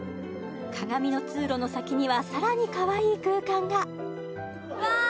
鏡の通路の先にはさらにかわいい空間がうわっ！